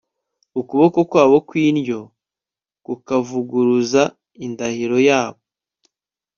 ukuboko kwabo kw'indyo kukavuguruza indahiro yabo